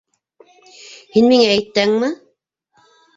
Һин миңә әйтәңме?